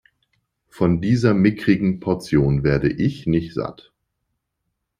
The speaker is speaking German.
Von dieser mickrigen Portion werde ich nicht satt.